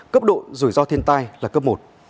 cấp độ rủi ro thiên tai là cấp một